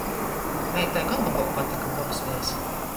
Meitai gon lobuok patyka bobslejs.